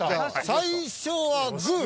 最初はグー。